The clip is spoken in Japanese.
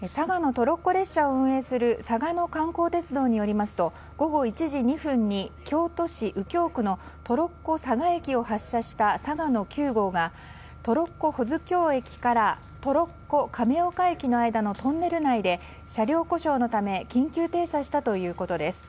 トロッコ列車を運営する嵯峨野観光鉄道によりますと午後１時２分に京都市右京区のトロッコ嵯峨駅を発車した「嵯峨野９号」がトロッコ保津峡駅からトロッコ亀岡駅の間のトンネル内で車両故障のため緊急停車したということです。